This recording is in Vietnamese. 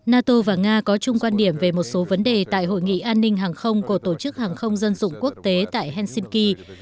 nato và nga có chung quan điểm về một số vấn đề tại hội nghị an ninh hàng không của tổ chức hàng không dân dụng quốc tế tại helsinki